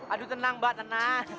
aduh tenang mbak tenang